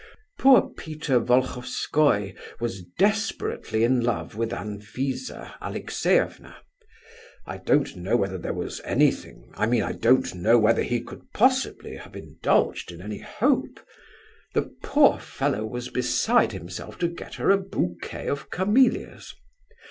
"Poor Peter Volhofskoi was desperately in love with Anfisa Alexeyevna. I don't know whether there was anything—I mean I don't know whether he could possibly have indulged in any hope. The poor fellow was beside himself to get her a bouquet of camellias.